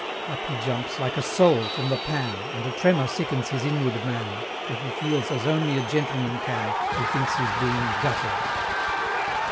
Up he jumps, like a sole from the pan, And a tremor sickens his inward man, For he feels as only a gentleman can, Who thinks he's being "gutted."